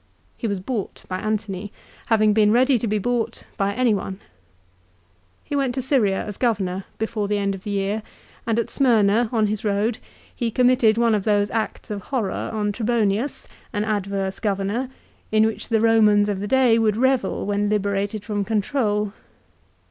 He was bought by Antony, having been ready to be bought by any one. He went to Syria as Governor before the end of the year, and at Smyrna, on his road, he committed one of those acts of horror on Trebonius, an adverse Governor, in which the Romans of the day would revel when liberated from control.